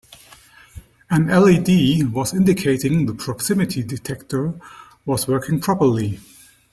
An LED was indicating the proximity detector was working properly.